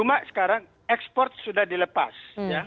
cuma sekarang ekspor sudah dilepas